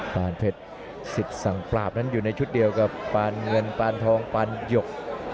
ปานเพชรสิทธิ์สั่งปราบนั้นอยู่ในชุดเดียวกับปานเงินปานทองปานหยก